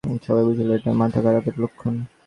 সবাই বুঝল এটা মাথা-খারাপের লক্ষণ।